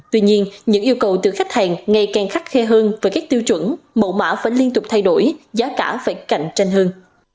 tuy nhiên những yêu cầu từ khách hàng ngày càng khắt khe hơn với các tiêu chuẩn mẫu mã vẫn liên tục thay đổi giá cả phải cạnh tranh hơn